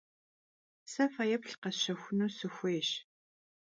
Se feêplh khesşexunu sxuêyş.